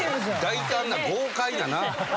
大胆な豪快なな。